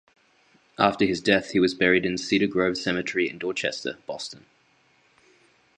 After his death, he was buried in Cedar Grove Cemetery in Dorchester, Boston.